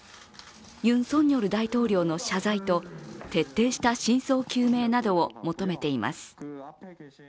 ユン・ソンニョル大統領の謝罪と徹底した真相究明などを求めています。